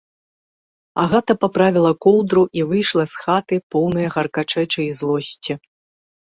Агата паправіла коўдру і выйшла з хаты, поўная гаркачэчы і злосці.